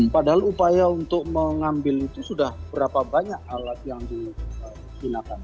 padahal upaya untuk mengambil itu sudah berapa banyak alat yang digunakan